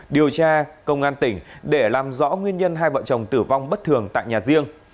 điều tra công an tỉnh để làm rõ nguyên nhân hai vợ chồng tử vong bất thường tại nhà riêng